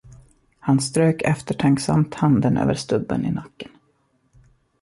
Han strök eftertänksamt handen över stubben i nacken.